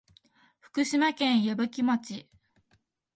福島県矢吹町